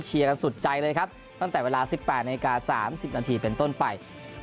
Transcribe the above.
กันสุดใจเลยครับตั้งแต่เวลา๑๘นาที๓๐นาทีเป็นต้นไป